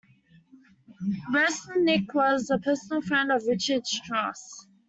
Reznicek was a personal friend of Richard Strauss.